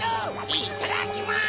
いただきます！